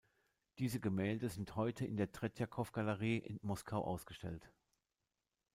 Diese Gemälde sind heute in der Tretjakow-Galerie in Moskau ausgestellt.